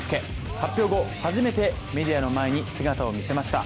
発表後、初めてメディアの前に姿を見せました。